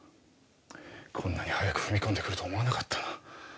こんなに早く踏み込んでくるとは思わなかったな。